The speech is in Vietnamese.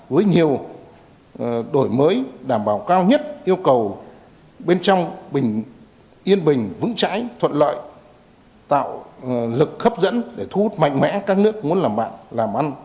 với nhiều đổi mới đảm bảo cao nhất yêu cầu bên trong yên bình vững trái thuận lợi tạo lực khắp dẫn để thu hút mạnh mẽ các nước muốn làm bạn làm ăn